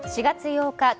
４月８日